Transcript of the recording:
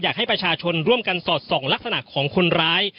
อยากให้ประชาชนร่วมกันสอดส่องลักษณะของคนร้าย